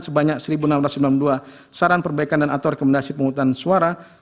sebanyak seribu enam ratus sembilan puluh dua saran perbaikan dan atau rekomendasi penghutang suara